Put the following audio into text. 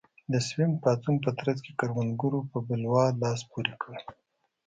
د سوینګ پاڅون په ترڅ کې کروندګرو په بلوا لاس پورې کړ.